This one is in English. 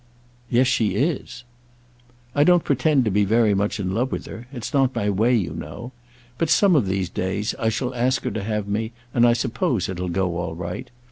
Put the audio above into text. "Yes, she is." "I don't pretend to be very much in love with her. It's not my way, you know. But, some of these days, I shall ask her to have me, and I suppose it'll all go right.